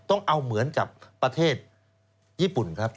ต้องเอาเหมือนกับประเทศญี่ปุ่นครับ